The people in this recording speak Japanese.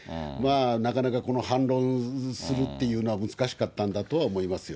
なかなかこの反論するっていうのは難しかったんだとは思いますよ。